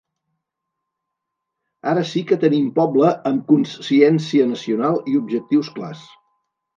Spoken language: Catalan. Ara sí que tenim poble amb consciència nacional i objectius clars.